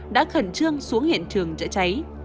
đã khẩn trương xuống hiện trường chữa cháy